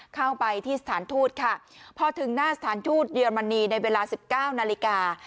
เข้าไปที่สถานทูตค่ะพอถึงหน้าสถานทูตเยอรมนีในเวลาสิบเก้านาฬิกา